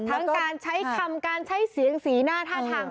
ทั้งการใช้คำการใช้เสียงสีหน้าท่าทาง